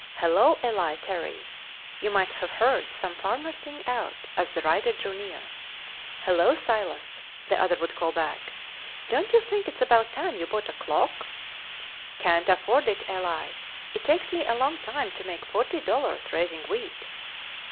"Hello, Eli Terry!" you might have heard some farmer sing out, as the rider drew near. "Hello, Silas," the other would call back; "don't you think it's about time you bought a clock?" "Can't afford it, Eli; it takes me a long time to make forty dollars raising wheat."